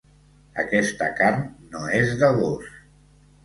Aquesta carn no és de gos.